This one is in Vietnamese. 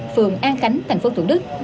phường an khánh tp thủ đức